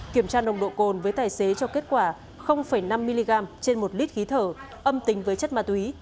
kiểm tra nồng độ cồn với tài xế cho kết quả năm mg trên một lít khí thở âm tính với chất ma túy